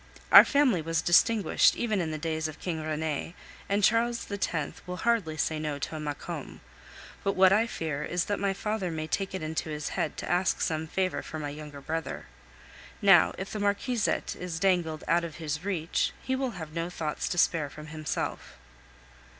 Our family was distinguished even in the days of King Rene, and Charles X. will hardly say no to a Maucombe; but what I fear is that my father may take it into his head to ask some favor for my younger brother. Now, if the marquisate is dangled out of his reach, he will have no thoughts to spare from himself.